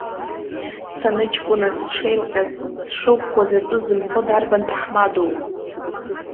Саныҷкәыназ сшеилҟьаз, сшыӷәӷәаз атәы зымҳәо дарбан ҭаҳмадоу!